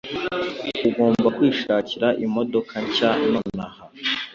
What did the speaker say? Ugomba kwishakira imodoka nshya nonaha.